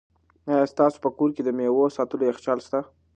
آیا ستاسو په کور کې د مېوو د ساتلو یخچال شته؟